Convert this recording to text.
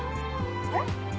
えっ？